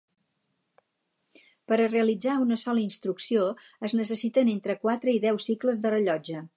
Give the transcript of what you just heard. Per a realitzar una sola instrucció es necessiten entre quatre i deu cicles de rellotge.